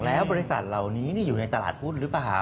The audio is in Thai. แล้วบริษัทเหล่านี้อยู่ในตลาดหุ้นหรือเปล่า